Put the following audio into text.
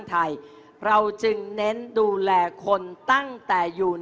ถ้าแล้ว